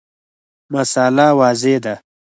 مسأله واضحه ده.